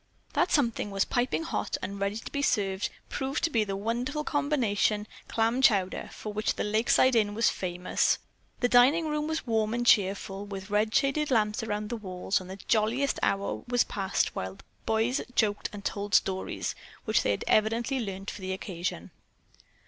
That "something" that was piping hot and ready to be served proved to be the wonderful combination clam chowder for which the Lakeside Inn was famous. The dining room was warm and cheerful, with red shaded lamps around the walls, and the jolliest hour was passed while the boys joked and told stories, which they had evidently learned for the occasion.